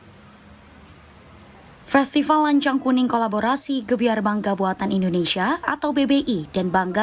festival lancang kuning kolaborasi gebiar bangga buatan indonesia atau bbi dan bangga